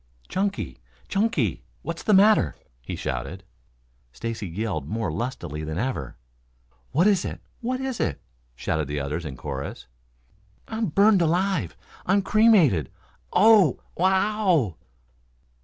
"Chunky, Chunky! What's the matter?" he shouted. Stacy yelled more lustily than ever. "What is it? What is it?" shouted the others in chorus. "I'm burned alive? I'm cremated! Oh, w o w!"